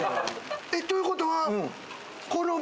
えっということは。